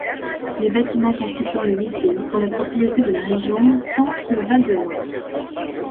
Les bâtiments constituant le lycée sont la propriété de la région Centre-Val de Loire.